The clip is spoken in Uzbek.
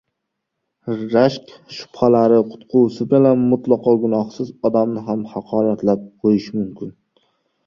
Rashk shubhalari qutqusi bilan mutlaqo gunohsiz odamni ham haqoratlab qo‘yish mumkin.